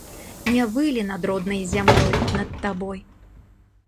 Не вылі над роднай зямлёй, над табой.